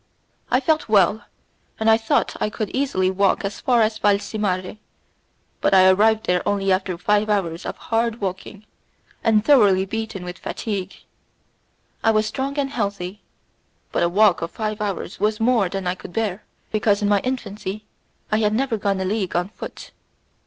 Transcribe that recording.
I felt well, and I thought I could easily walk as far as Valcimare, but I arrived there only after five hours of hard walking, and thoroughly beaten with fatigue. I was strong and healthy, but a walk of five hours was more than I could bear, because in my infancy I had never gone a league on foot.